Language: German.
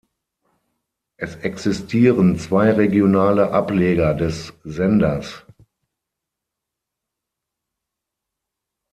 Es existieren zwei regionale Ableger des Senders.